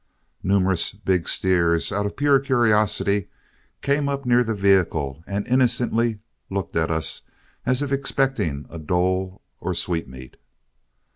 Numerous big steers, out of pure curiosity, came up near the vehicle and innocently looked at us as if expecting a dole or sweetmeat.